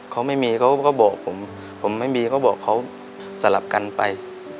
เขาไม่มีเขาก็บอกผมผมไม่มีเขาบอกเขาสลับกันไป